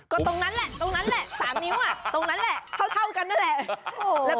ก็ตรงนั้นแหละตรงนั้นแหละ๓นิ้วตรงนั้นแหละเท่ากันนั่นแหละ